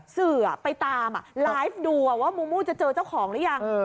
สื่อไปตามไลฟ์ดูว่ามูมูจะเจอเจ้าของหรือยัง